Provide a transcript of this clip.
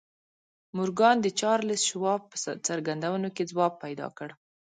مورګان د چارليس شواب په څرګندونو کې ځواب پيدا کړ.